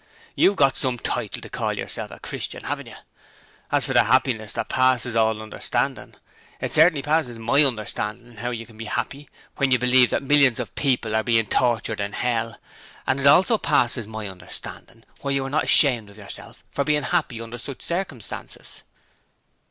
'You've got some title to call yourself a Christian, haven't you? As for the happiness that passes all understanding, it certainly passes MY understanding how you can be happy when you believe that millions of people are being tortured in Hell; and it also passes my understanding why you are not ashamed of yourself for being happy under such circumstances.'